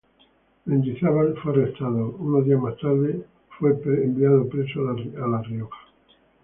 Mendizábal fue arrestado; unos días más tarde, fue enviado preso a La Rioja.